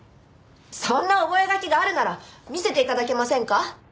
そんな覚書があるなら見せて頂けませんか？